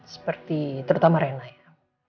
seperti terutama rena ya